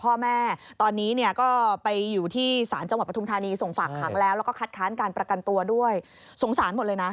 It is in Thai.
พ่อแม่อยู่ที่ศาลจังหวัดประทุมฐานีส่งฝากค้างแล้วแล้วเครื่องการประกันเที่ยวสงสัย